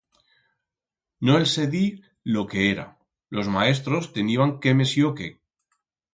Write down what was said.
No el sé dir lo que era, los maestros teniban quemesió qué.